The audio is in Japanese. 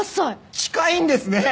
近いんですね！